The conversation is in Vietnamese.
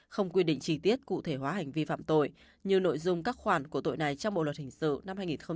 không quy định chi tiết cụ thể hóa hành vi phạm tội như nội dung các khoản của tội này trong bộ luật hình sự năm hai nghìn một mươi năm